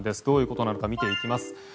どういうことなのか見ていきます。